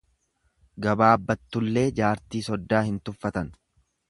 Gabaabbattullee jaartii soddaa hin tuffatan.